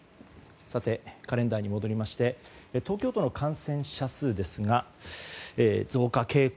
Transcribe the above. カレンダーに戻りまして東京都の感染者数ですが増加傾向